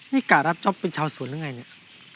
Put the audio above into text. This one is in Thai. นี่กะรับชอบเป็นชาวสวนแล้วไงเนี่ย